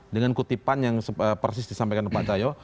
dengan kutipan yang persis disampaikan pak cahyo